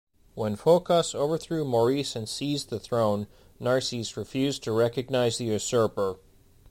When Phocas overthrew Maurice and seized the throne, Narses refused to recognize the usurper.